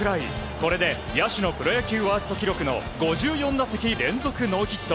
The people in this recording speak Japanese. これで野手のプロ野球ワースト記録の５４打席連続ノーヒット。